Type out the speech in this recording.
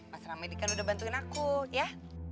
mas ramadi kan udah bantuin aku ya